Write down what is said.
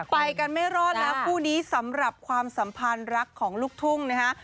ไปกันไม่รอดแล้วคู่นี้สำหรับความสัมพันธ์รักของลูกทุ่งนะฮะ